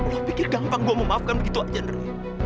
lo pikir gampang gue mau maafkan begitu aja ndre